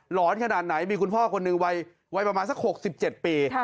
อนขนาดไหนมีคุณพ่อคนหนึ่งวัยประมาณสัก๖๗ปี